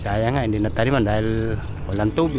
sayangnya ini tadi menandai bulan tobi